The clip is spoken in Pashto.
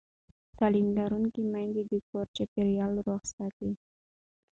تعلیم لرونکې میندې د کور چاپېریال روغ ساتي.